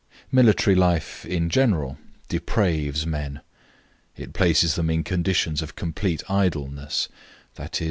Military life in general depraves men. It places them in conditions of complete idleness, i.e.